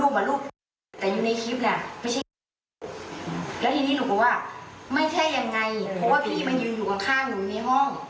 คุยกันพึ่งทะเลาะกันไป